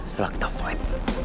setelah kita fight